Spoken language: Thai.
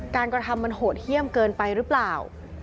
กระทำมันโหดเยี่ยมเกินไปหรือเปล่า